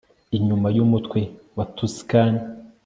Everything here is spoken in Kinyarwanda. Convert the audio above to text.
Inyuma yumutwe wa Tuscan